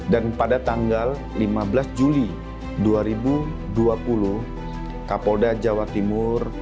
pada tanggal lima belas juli dua ribu dua puluh kapolda jawa timur